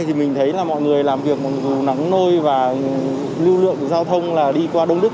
thì mình thấy là mọi người làm việc mặc dù nắng nôi và lưu lượng giao thông là đi qua đông đức